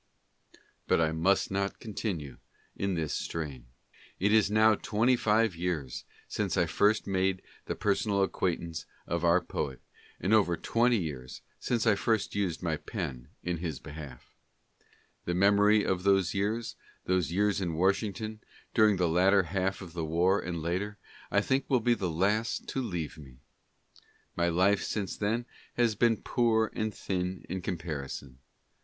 But I must not con tinue in this strain. It is now twenty five years since I first made the personal ac quaintance of our poet, and over twenty years since I first used my pen in his behalf. The memory of those years, those years in Washington, during the latter half of the war and later, I think will be the last to leave me. My life since then has been poor and thin in comparison.